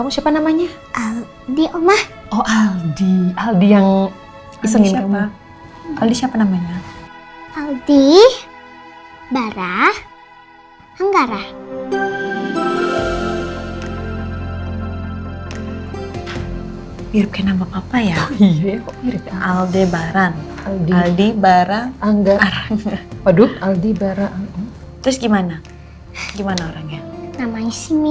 kalau bahasanya seperti itu